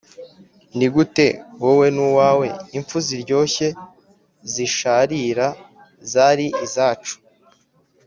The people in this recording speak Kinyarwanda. nigute wowe nuwawe, impfu ziryoshye, zisharira zari izacu. ...